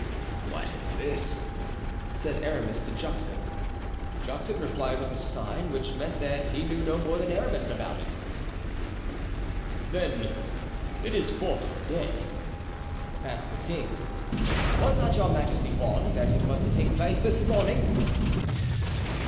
"What is this?" said Aramis to Juxon. Juxon replied with a sign which meant that he knew no more than Aramis about it. "Then it is for to day?" asked the king. "Was not your majesty warned that it was to take place this morning?"